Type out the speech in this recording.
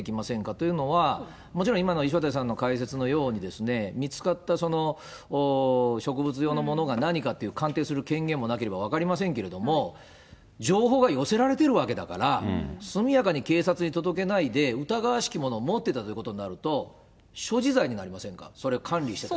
というのは、もちろん、今の石渡さんの解説のようにですね、見つかった植物ようのものが何かという鑑定する権限もなければ、分かりませんけれども、情報が寄せられているわけだから、速やかに警察に届けないで、疑わしきものを持ってたということになると、所持罪になりませんか、それ、管理してた。